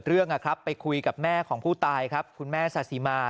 เกิดเรื่องนะครับไปคุยกับแม่ของผู้ตายครับคุณแม่ศาสีมา